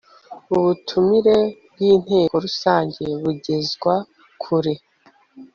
ubutumire bw inteko rusange bugezwa ku re